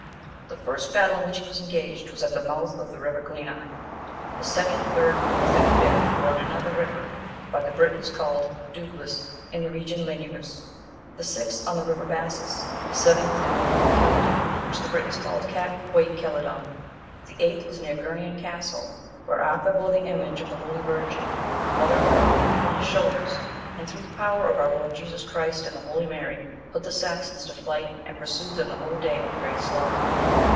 The first battle in which he was engaged, was at the mouth of the river Gleni.(1) The second, third, fourth, and fifth, were on another river, by the Britons called Duglas,(2) in the region Linuis. The sixth, on the river Bassas.(3) The seventh in the wood Celidon, which the Britons call Cat Coit Celidon.(4) The eighth was near Gurnion castle,(5) where Arthur bore the image of the Holy Virgin,(6) mother of God, upon his shoulders, and through the power of our Lord Jesus Christ, and the holy Mary, put the Saxons to flight, and pursued them the whole day with great slaughter.